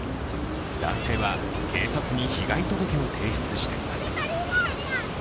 男性は警察に被害届を提出しています。